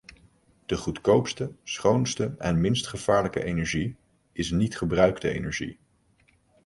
De goedkoopste, schoonste en minst gevaarlijke energie is niet-gebruikte energie.